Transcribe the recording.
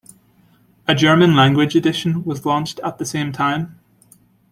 A German language edition was launched at the same time.